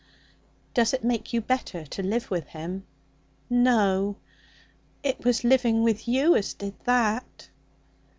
'Does it make you better to live with him?' 'No. It was living with you as did that.'